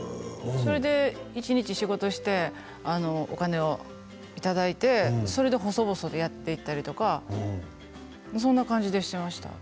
それで一日、仕事をしてお金をいただいてそれで細々とやっていったりとかそんな感じでしていました。